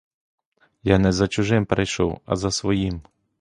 Я не за чужим прийшов, а за своїм!